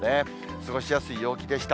過ごしやすい陽気でした。